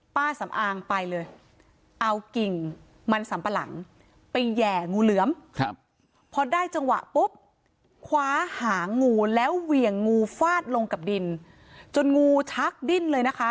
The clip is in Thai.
ป้าสำอางไปเลยเอากิ่งมันสัมปะหลังไปแห่งูเหลือมครับพอได้จังหวะปุ๊บคว้าหางงูแล้วเหวี่ยงงูฟาดลงกับดินจนงูชักดิ้นเลยนะคะ